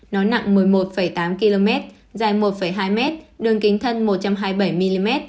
nó nặng một mươi một tám km dài một hai mét đường kính thân một trăm hai mươi bảy mm